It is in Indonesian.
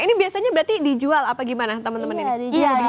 ini biasanya berarti dijual apa gimana teman teman ini